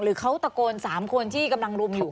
หรือเขาตะโกน๓คนที่กำลังรุมอยู่